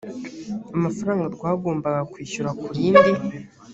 amafaranga rwagombaga kwishyura ku rindi